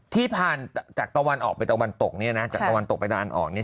ที่ผ่านจากตะวันออกไปตะวันตกเนี่ยนะจากตะวันตกไปตะวันออกเนี่ย